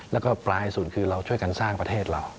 แล้วก็ปลายสุดคือเราช่วยกันสร้างประเทศเรา